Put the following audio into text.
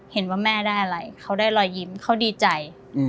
เห็นว่าแม่ได้อะไรเขาได้รอยยิ้มเขาดีใจ